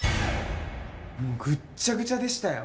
もうぐっちゃぐちゃでしたよ。